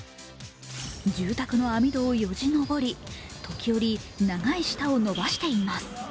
住宅の網戸をよじ登り、時折長い舌を伸ばしています。